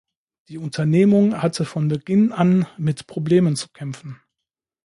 Die Unternehmung hatte von Beginn an mit Problemen zu kämpfen.